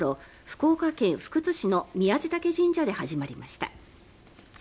福岡県福津市の宮地嶽神社で始まりました。